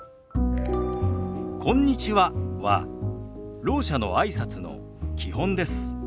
「こんにちは」はろう者のあいさつの基本です。